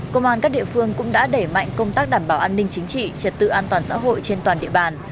công an các địa phương cũng đã đẩy mạnh công tác đảm bảo an ninh chính trị trật tự an toàn xã hội trên toàn địa bàn